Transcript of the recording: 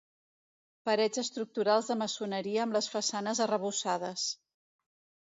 Parets estructurals de maçoneria amb les façanes arrebossades.